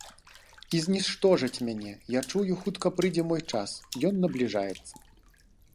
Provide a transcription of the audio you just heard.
І зніштожаць мяне, я чую, хутка прыйдзе мой час, ён набліжаецца.